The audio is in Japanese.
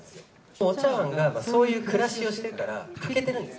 お茶わんが、そういう暮らしをしてるから欠けてるんです。